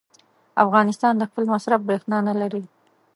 افغانستان د خپل مصرف برېښنا نه لري.